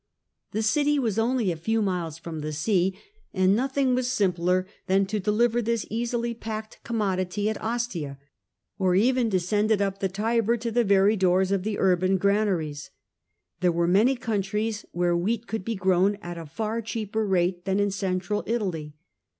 The city was only a few miles from the sea, and nothing was simpler than to deliver this easily packed commodity at Ostia, or even to send it up the Tiber to the very doors of the urban granaries. There were many countries where wheat could be grown at a far cheaper rate than in Central Italy.